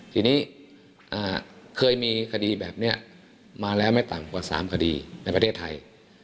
ทีนี้เคยมีคดีแบบนี้มาแล้วไม่ต่ำกว่า๓คดีในประเทศไทย